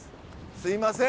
すいません。